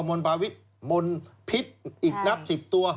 มนต์พิษอีกนับ๑๐ตัว